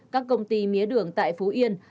các công ty mía đường tại phú yên